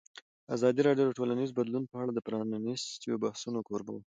ازادي راډیو د ټولنیز بدلون په اړه د پرانیستو بحثونو کوربه وه.